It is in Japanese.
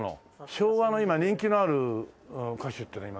昭和の今人気のある歌手っていうのは今誰ですか？